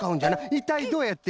いったいどうやって？